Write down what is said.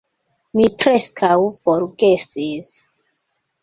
Mi preskaŭ forgesis